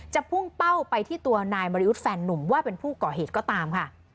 พุ่งเป้าไปที่ตัวนายมริยุทธ์แฟนนุ่มว่าเป็นผู้ก่อเหตุก็ตามค่ะ